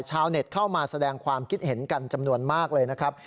ชาวเน็ตเข้ามาแสดงความคิดเห็นกันจำนวนมากเลยนะครับ